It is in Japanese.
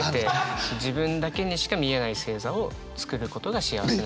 自分だけにしか見えない星座を作ることが幸せなんじゃないか。